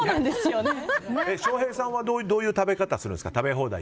翔平さんはどういう食べ方するんですか？